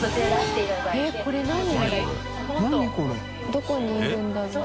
どこにいるんだろう？